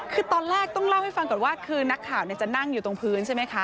คือตอนแรกต้องเล่าให้ฟังก่อนว่าคือนักข่าวจะนั่งอยู่ตรงพื้นใช่ไหมคะ